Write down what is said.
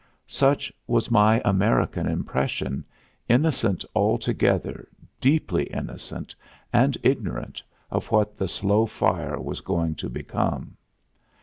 Such was my American impression, innocent altogether, deeply innocent, and ignorant of what the slow fire was going to become.